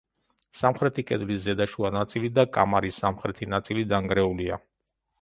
სამხრეთი კედლის ზედა შუა ნაწილი და კამარის სამხრეთი ნაწილი დანგრეულია.